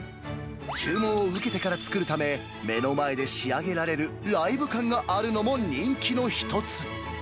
注文を受けてから作るため、目の前で仕上げられるライブ感があるのも人気の一つ。